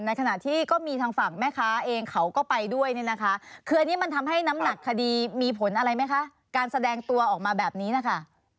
ในขณะที่ก็มีทางฝั่งแม่ค้าเองเขาก็ไปด้วยเนี่ยนะคะคืออันนี้มันทำให้น้ำหนักคดีมีผลอะไรไหมคะการแสดงตัวออกมาแบบนี้นะคะ